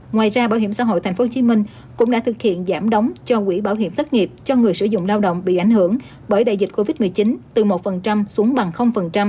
ngoài ra bảo hiểm xã hội tp hcm cũng đã thực hiện giảm đóng cho quỹ bảo hiểm thất nghiệp cho người sử dụng lao động bị ảnh hưởng bởi đại dịch covid một mươi chín từ một xuống bằng